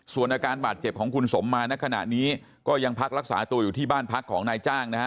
ส่วนอาการบาดเจ็บของคุณสมมาณขณะนี้ก็ยังพักรักษาตัวอยู่ที่บ้านพักของนายจ้างนะฮะ